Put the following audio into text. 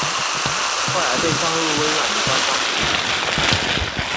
后来被放入微软的官方回应。